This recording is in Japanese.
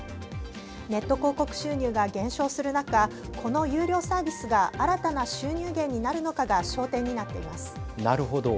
ネット広告収入が減少する中この有料サービスが新たな収入源になるのかがなるほど。